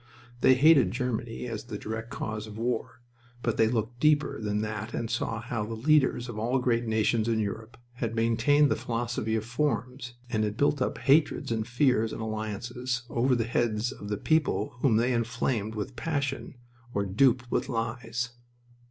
They hated Germany as the direct cause of war, but they looked deeper than that and saw how the leaders of all great nations in Europe had maintained the philosophy of forms and had built up hatreds and fears and alliances over the heads of the peoples whom they inflamed with passion or duped with lies.